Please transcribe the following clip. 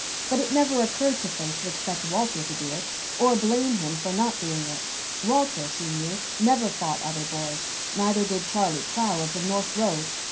But it never occurred to Faith to expect Walter to do it, or blame him for not doing it. Walter, she knew, never fought other boys. Neither did Charlie Clow of the north road.